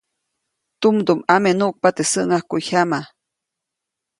Tumdumʼame nuʼkpa teʼ säŋʼajkujyama.